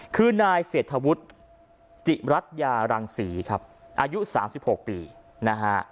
คือนายเศรษฐวุฒิจิรัชยารังศรีครับอายุ๓๖ปีนะฮะ